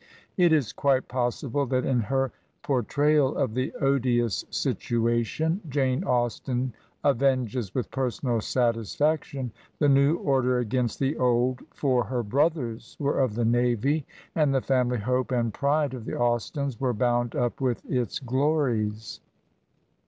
It is quite possible that in her por trayal of the odious situation Jane Austen avenges with personal satisfaction the new order against the old, for her brothers were of the navy, and the family hope and pride of the Austens were bound up with its glories.